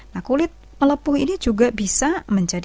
nah kulit melepuh ini juga bisa menjadi